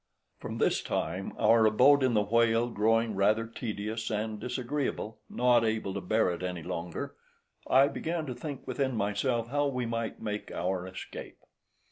From this time our abode in the whale growing rather tedious and disagreeable, not able to bear it any longer, I began to think within myself how we might make our escape.